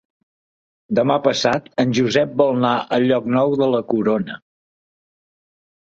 Demà passat en Josep vol anar a Llocnou de la Corona.